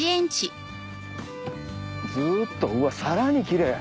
ずっとうわさらにキレイ。